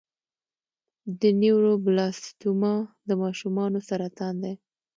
د نیوروبلاسټوما د ماشومانو سرطان دی.